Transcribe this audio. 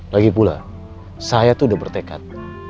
lagi pula saya tuh udah bertekad